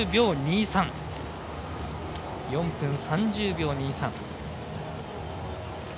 ４分３０秒２３。